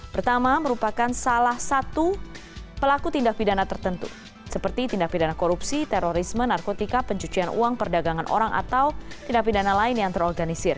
pertama merupakan salah satu pelaku tindak pidana tertentu seperti tindak pidana korupsi terorisme narkotika pencucian uang perdagangan orang atau tindak pidana lain yang terorganisir